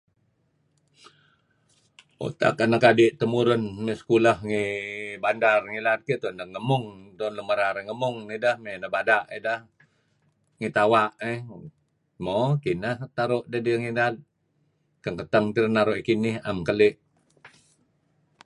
utak anak kadih tamurun may sekolah ngi....bandar ngilad keh, tuan dah ngamung dah,[um] lamaral ngamung nidah may nah badah idah, ngi tawah[ eh..]mo kinah taruh dah dih ngilad, kan katang tidah naruh dih kinih, am kalih